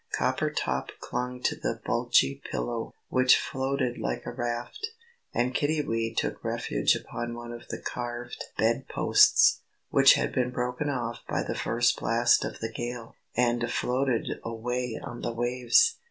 Coppertop clung to the bulgy pillow, which floated like a raft, and Kiddiwee took refuge upon one of the carved bed posts, which had been broken off by the first blast of the gale, and floated away on the waves.